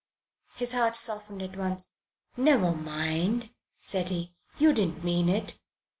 His heart softened at once. "Never mind," said he. "You didn't mean it."